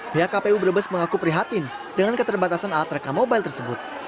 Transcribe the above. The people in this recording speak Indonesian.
pihak kpu brebes mengaku prihatin dengan keterbatasan alat rekam mobile tersebut